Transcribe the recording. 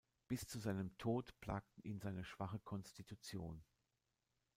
Bis zu seinem Tod plagten ihn seine schwache Konstitution.